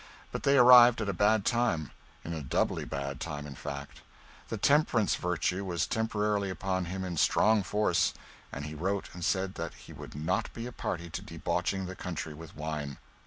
But they arrived at a bad time in a doubly bad time, in fact. The temperance virtue was temporarily upon him in strong force, and he wrote and said that he would not be a party to debauching the country with wine.